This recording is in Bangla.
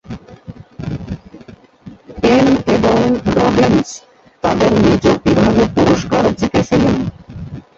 পেন এবং রবিন্স তাঁদের নিজ বিভাগে পুরস্কার জিতেছিলেন।